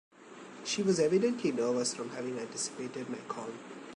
She was evidently nervous from having anticipated my call.